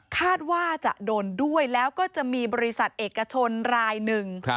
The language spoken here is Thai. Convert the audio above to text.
คาดว่าจะโดนด้วยแล้วก็จะมีบริษัทเอกชนรายหนึ่ง